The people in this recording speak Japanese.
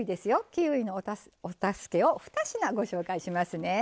キウイのお助けを２品ご紹介しますね。